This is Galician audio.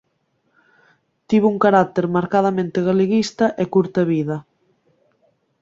Tivo un carácter marcadamente galeguista e curta vida.